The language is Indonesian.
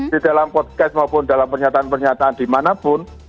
di dalam podcast maupun dalam pernyataan pernyataan dimanapun